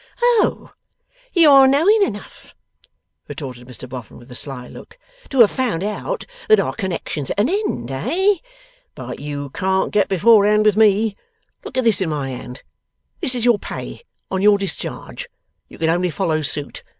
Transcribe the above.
'Oh! You are knowing enough,' retorted Mr Boffin, with a sly look, 'to have found out that our connexion's at an end, eh? But you can't get beforehand with me. Look at this in my hand. This is your pay, on your discharge. You can only follow suit.